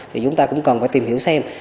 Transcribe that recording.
thì chúng ta cũng cần phải tìm hiểu xem